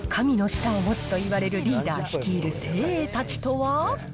神の舌を持つといわれるリーダー率いる精鋭たちとは。